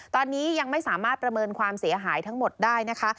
ตอนนี้ยังไม่สามารถประเมินความเสียหายทั้งหมดได้นะคะ